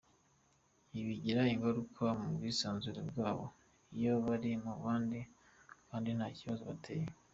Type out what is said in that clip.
Ibi bigira ingaruka mu bwisanzure bwabo iyo bari mu bandi kandi nta kibazo bateye.